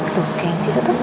tuh kayak yang situ tuh